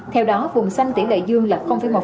theo đó vùng xanh tỉ lệ dương là một